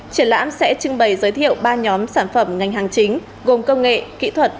triển lãm sẽ trưng bày giới thiệu ba nhóm sản phẩm ngành hàng chính gồm công nghệ kỹ thuật